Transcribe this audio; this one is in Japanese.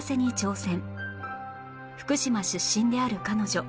福島出身である彼女